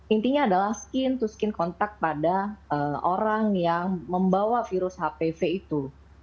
intinya adalah skin to skin kontak pada orang yang membawa virus hpv itu